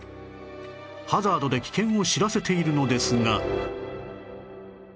ハザードで危険を知らせているのですが